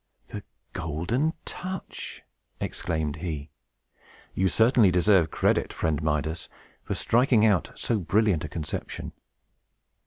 "The Golden Touch!" exclaimed he. "You certainly deserve credit, friend Midas, for striking out so brilliant a conception.